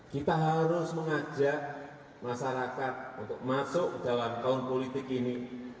kita harus mengajak masyarakat untuk masuk dalam tahun politik ini